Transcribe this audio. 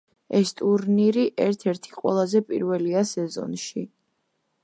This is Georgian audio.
ეს ტურნირი ერთ-ერთი ყველაზე პირველია სეზონში.